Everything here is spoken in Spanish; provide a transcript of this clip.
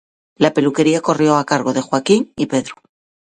La peluquería corrió a cargo de Joaquín y Pedro.